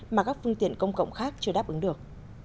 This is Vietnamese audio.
mà các phương tiện công cộng khác chưa đáp ứng được